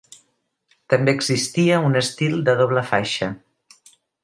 També existia un estil de doble faixa.